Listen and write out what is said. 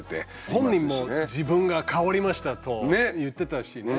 本人も自分が変わりましたと言ってたしね。